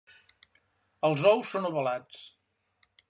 Els ous són ovalats.